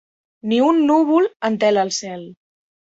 Ni un núvol entela el cel.